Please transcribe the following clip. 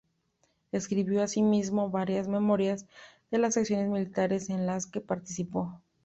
Escribió, asimismo, varias memorias de las acciones militares en las que participó.